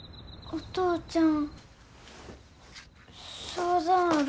お父ちゃん